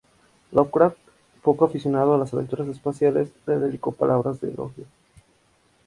Lovecraft, poco aficionado a las aventuras espaciales, le dedicó palabras de elogio.